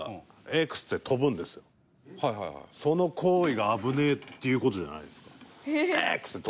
その行為が危ねえっていう事じゃないですか？